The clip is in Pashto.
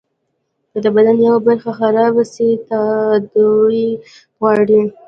که د بدن يوه برخه خرابه سي تداوي غواړي.